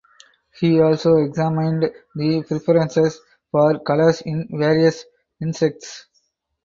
He also examined the preferences for colours in various insects.